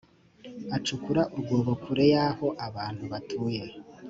acukura urwobo kure y aho abantu batuye